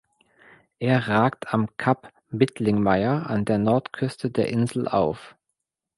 Er ragt am Kap Bidlingmaier an der Nordküste der Insel auf.